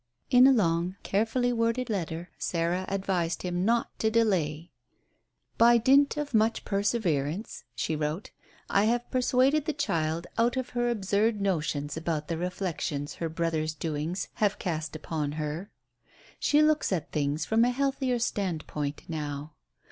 In a long, carefully worded letter Sarah advised him not to delay. "By dint of much perseverance," she wrote, "I have persuaded the child out of her absurd notions about the reflections her brother's doings have cast upon her. She looks at things from a healthier standpoint now.